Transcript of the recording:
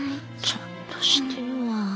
ちゃんとしてるわ。